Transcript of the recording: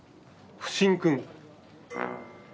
「不審君」？